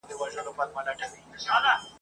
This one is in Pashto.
په دښته کي هيڅ اوبه نسته.